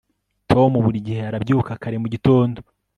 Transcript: tom buri gihe arabyuka kare mu gitondo